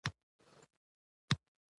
زه له ستونزو څخه د زدکړي فرصت اخلم.